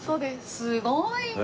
すごいね！